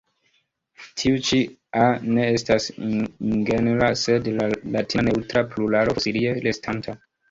Tiu ĉi a ne estas ingenra sed latina neŭtra pluralo fosilie restanta.